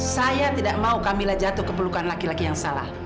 saya tidak mau camillah jatuh ke pelukan laki laki yang salah